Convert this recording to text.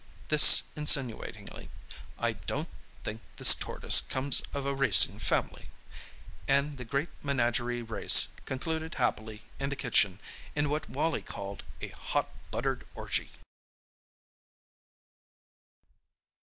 —this insinuatingly. "I don't think this tortoise comes of a racing family!"—and the great menagerie race concluded happily in the kitchen in what Wally called "a hot buttered orgy."